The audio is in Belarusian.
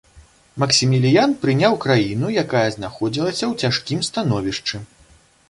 Максіміліян прыняў краіну, якая знаходзілася ў цяжкім становішчы.